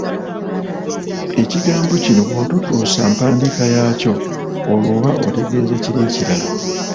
Ekigambo kino bw’ototuusa mpandiika yaakyo, olwo oba otegeeza kiri ekirala.